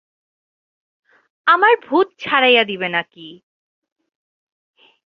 আমার ভূত ঝাড়াইয়া দিবে নাকি।